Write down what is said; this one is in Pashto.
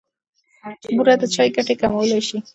بوره د چای ګټې کمولای شي.